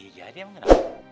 iya jadi emang kenapa